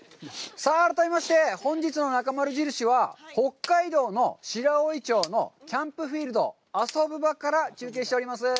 さあ改めまして、本日のなかまる印は北海道の白老町のキャンプフィールドＡＳＯＢＵＢＡから中継しております。